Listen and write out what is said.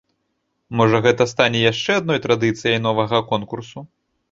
Можа, гэта стане яшчэ адной традыцыяй новага конкурсу?